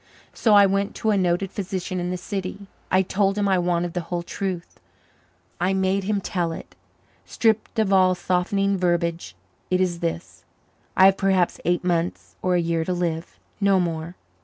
So I went to a noted physician in the city. I told him I wanted the whole truth I made him tell it. Stripped of all softening verbiage it is this: I have perhaps eight months or a year to live no more!